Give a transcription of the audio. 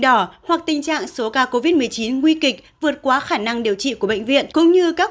đỏ hoặc tình trạng số ca covid một mươi chín nguy kịch vượt quá khả năng điều trị của bệnh viện cũng như các